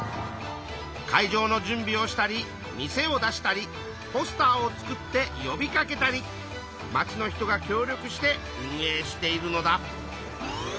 会場の準備をしたり店を出したりポスターを作ってよびかけたりまちの人が協力して運営しているのだ。